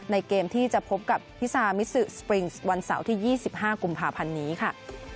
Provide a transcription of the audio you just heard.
เกมที่จะพบกับพิซามิซึสปริงวันเสาร์ที่๒๕กุมภาพันธ์นี้ค่ะ